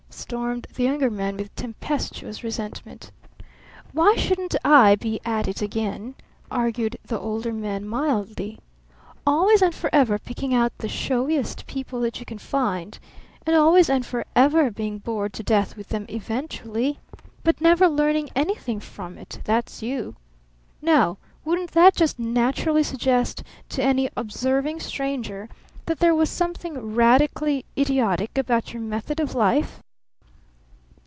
stormed the Younger Man with tempestuous resentment. "Why shouldn't I be 'at it again'?" argued the Older Man mildly. "Always and forever picking out the showiest people that you can find and always and forever being bored to death with them eventually, but never learning anything from it that's you! Now wouldn't that just naturally suggest to any observing stranger that there was something radically idiotic about your method of life?"